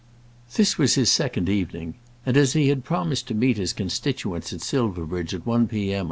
This was his second evening; and as he had promised to meet his constituents at Silverbridge at one P.M.